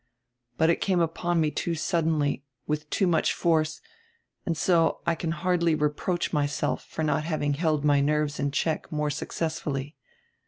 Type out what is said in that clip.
But it came upon me too suddenly, with too much force, and so I can hardly reproach myself for not having held my nerves in check more successfully.